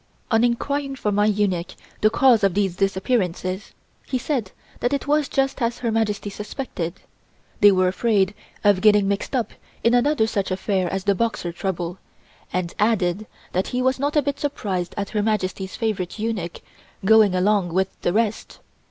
On inquiring from my eunuch the cause of these disappearances, he said that it was just as Her Majesty suspected; they were afraid of getting mixed up in another such affair as the Boxer trouble, and added that he was not a bit surprised at Her Majesty's favorite eunuch going along with the rest.